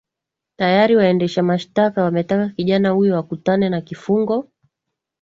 tayari waendesha mashtaka wametaka kijana huyo akutane na kifungo